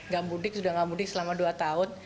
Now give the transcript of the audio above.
gak mudik sudah nggak mudik selama dua tahun